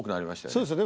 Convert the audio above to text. そうですよね。